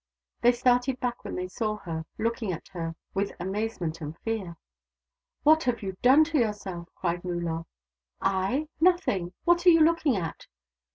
They started back when they saw her, looking at her with amazement and fear. " What have you done to yourself ?" cried NuUor. " I ? Nothing. What are you looking at